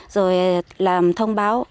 rồi làm thông báo